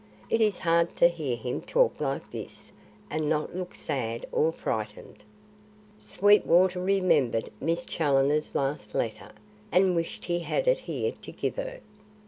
It is hard to hear him talk like this and not look sad or frightened." Sweetwater remembered Miss Challoner's last letter, and wished he had it here to give her.